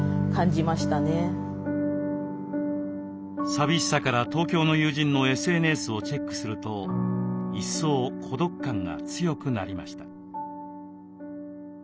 寂しさから東京の友人のＳＮＳをチェックすると一層孤独感が強くなりました。